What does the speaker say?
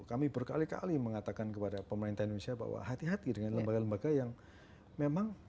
kami berkali kali mengatakan kepada pemerintah indonesia bahwa hati hati dengan lembaga lembaga yang memang